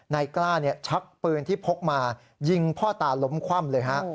นายกล้าชักปืนที่พกมายิงพ่อตาล้มคว่ำเลยฮะ